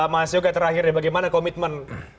mas yoga terakhir bagaimana komitmen